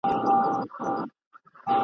هلته مي هم نوي جامې په تن کي نه درلودې !.